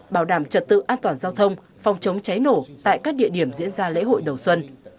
bảo đảm trật tự an toàn giao thông phòng chống cháy nổ tại các địa điểm diễn ra lễ hội đầu xuân